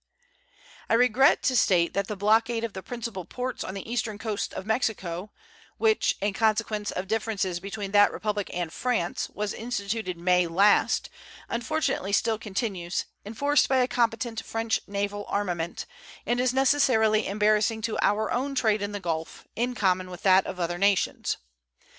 I regret to state that the blockade of the principal ports on the eastern coast of Mexico, which, in consequence of differences between that Republic and France, was instituted in May last, unfortunately still continues, enforced by a competent French naval armament, and is necessarily embarrassing to our own trade in the Gulf, in common with that of other nations.